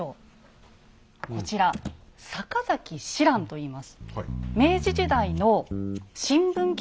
こちら坂崎紫瀾といいます。